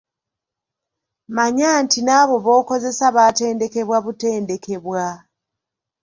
Manya nti n'abo b'okozesa baatendekebwa butendekebwa.